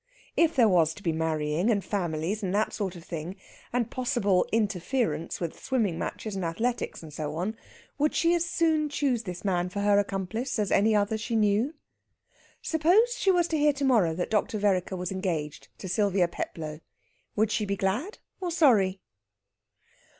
If there was to be marrying, and families, and that sort of thing, and possible interference with swimming matches and athletics, and so on, would she as soon choose this man for her accomplice as any other she knew? Suppose she was to hear to morrow that Dr. Vereker was engaged to Sylvia Peplow, would she be glad or sorry?